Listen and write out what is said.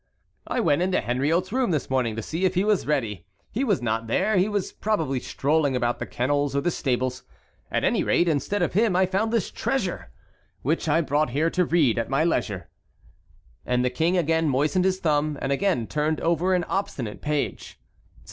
"I went into Henriot's room this morning to see if he was ready; he was not there, he was probably strolling about the kennels or the stables; at any rate, instead of him I found this treasure, which I brought here to read at my leisure." And the King again moistened his thumb, and again turned over an obstinate page.